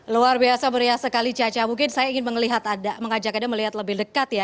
luar biasa meriah sekali caca mungkin saya ingin mengajak anda melihat lebih dekat ya